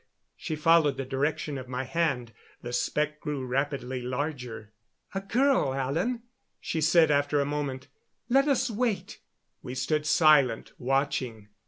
She followed the direction of my hand. The speck grew rapidly larger. "A girl, Alan," she said after a moment. "Let us wait." We stood silent, watching.